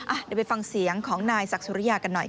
เดี๋ยวไปฟังเสียงของนายศักดิ์สุริยากันหน่อย